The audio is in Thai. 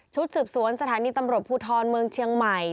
สืบสวนสถานีตำรวจภูทรเมืองเชียงใหม่